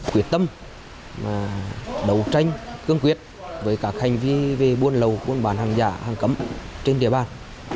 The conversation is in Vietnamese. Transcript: công tác đấu tranh cương quyết với các hành vi về buôn lầu buôn bán hàng giả hàng cấm trên địa bàn